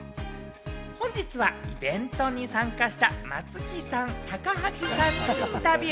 本日はイベントに参加した松木さん、高橋さんにインタビュー。